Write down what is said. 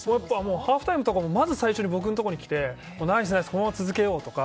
ハーフタイムとかもまず最初に僕のところに来てナイス、ナイスこのまま続けようとか